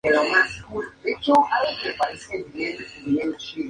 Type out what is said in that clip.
Marcel Lefebvre nunca se manifestó expresamente proclive a la ruptura con la Iglesia.